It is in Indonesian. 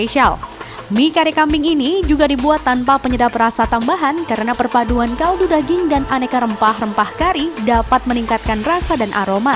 mie kari kambing ini juga dibuat tanpa penyedap rasa tambahan karena perpaduan kaldu daging dan aneka rempah rempah kari dapat meningkatkan rasa dan aroma